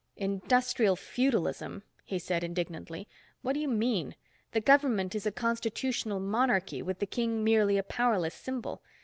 "Industrial feudalism," he said indignantly. "What do you mean? The government is a constitutional monarchy with the king merely a powerless symbol.